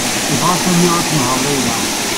Yebɣa Sami ad tenheṛ Layla.